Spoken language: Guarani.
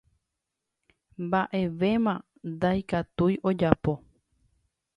mba'evéma ndaikatúi ojapo